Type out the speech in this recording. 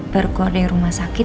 berkuar dari rumah sakit